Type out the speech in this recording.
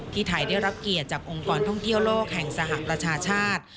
ไทยได้รับเกียรติจากองค์กรท่องเที่ยวโลกแห่งสหประชาชาติ